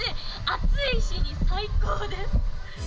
暑い日に最高です。